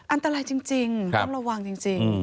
อันตรายจริงต้องระวังจริง